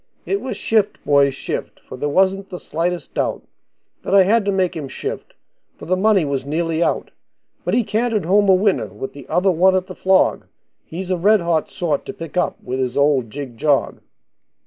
It was shift, boys, shift, for there wasn't the slightest doubt That I had to make him shift, for the money was nearly out; But he cantered home a winner, with the other one at the flog He's a red hot sort to pick up with his old jig jog.